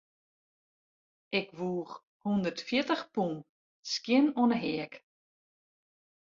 Ik woech hûndertfjirtich pûn skjin oan 'e heak.